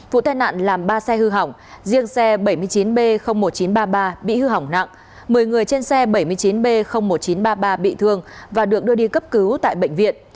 vụ tai nạn làm ba xe hư hỏng riêng xe bảy mươi chín b một nghìn chín trăm ba mươi ba bị hư hỏng nặng một mươi người trên xe bảy mươi chín b một nghìn chín trăm ba mươi ba bị thương và được đưa đi cấp cứu tại bệnh viện